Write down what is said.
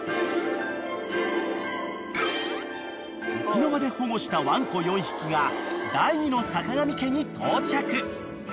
［沖縄で保護したワンコ４匹が第２の坂上家に到着］